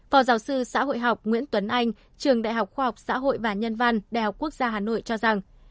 phó giáo sư xã hội học nguyễn tuấn anh trường đại học khoa học xã hội và nhân văn đại học quốc gia hà nội cho rằng